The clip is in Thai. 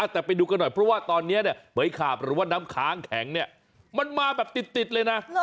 แต่ไปดูกันหน่อยเพราะว่าตอนนี้เหมือยขาบหรือว่าน้ำค้างแข็งเนี่ยมันมาแบบติดเลยนะ